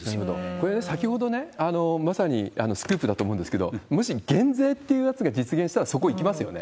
これね、先ほどね、まさにスクープだと思うんですけれども、もし減税というやつが実現したら、そこいきますよね？